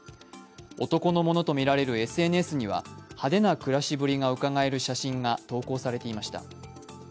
男のものとみられるＳＮＳには派手な暮らしぶりがうかがえる写真が投稿されていました。